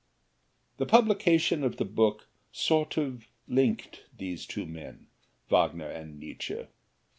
The publication of the book sort of linked these two men, Wagner and Nietzsche.